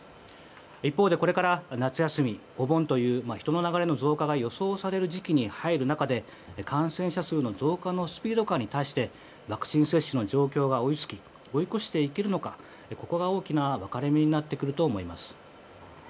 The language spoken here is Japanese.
一方でこれから夏休み、お盆という人の流れの増加が予想される時期に入る中で感染者数の増加のスピード感に対してワクチン接種の状況が追いつき追い越していけるのかここが大きな分かれ目になってくると思います。